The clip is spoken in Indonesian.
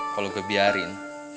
kalau gue biarin